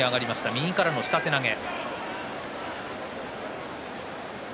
右からの下手投げ。